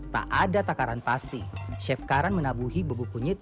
tak ada takaran pasti chef karan menabuhi bubuk kunyit